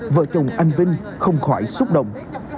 vợ chồng anh vinh không khỏi xúc động